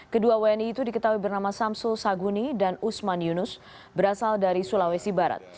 kedua wni itu diketahui bernama samsul saguni dan usman yunus berasal dari sulawesi barat